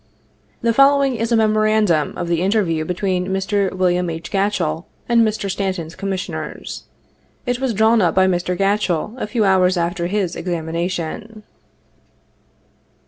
The following is a memorandum of the interview between Mr. Wm. H. Gatchell and Mr. Stanton's Commissioners. It was drawn up by Mr. Gatchell a few hours after his " examination."